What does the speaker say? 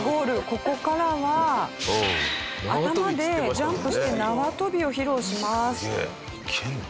ここからは頭でジャンプして縄跳びを披露します。